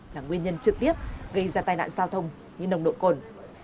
là nguyên nhân trực tiếp gây ra tai nạn giao thông như nồng độ cồn